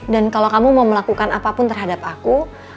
dan kalau kamu mau melakukan apapun terhadap aku